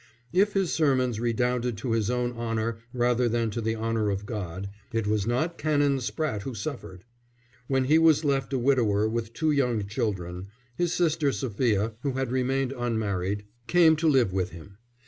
If his sermons redounded to his own honour rather than to the honour of God, it was not Canon Spratte who suffered. When he was left a widower with two young children, his sister Sophia, who had remained unmarried, came to live with him.